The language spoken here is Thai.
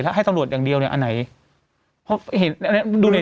และให้ตำรวจอย่างเดียวเนี่ยอันไหน